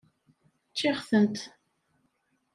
Ččiɣ-tent.